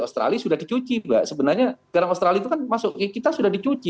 australia sudah dicuci sebenarnya garam australia masuk kita sudah dicuci